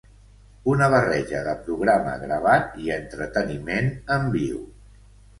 Una barreja de programa gravat i entreteniment en viu.